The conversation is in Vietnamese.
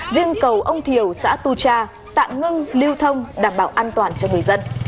riêng cầu ông thiều xã tu cha tạm ngưng lưu thông đảm bảo an toàn cho người dân